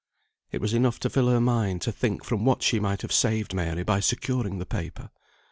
It was enough to fill her mind to think from what she might have saved Mary by securing the paper.